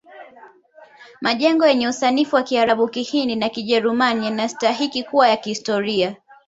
Majengo yenye usanifu wa kiarabu kihindi na kijerumani yanastahiki kuwa ya kihistoria